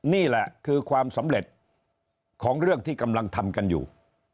นี่แหละคือความสำเร็จของเรื่องที่กำลังทำกันอยู่